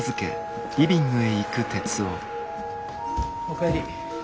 お帰り。